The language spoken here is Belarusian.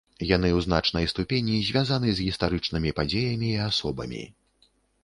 Яны ў значнай ступені звязаны з гістарычнымі падзеямі і асобамі.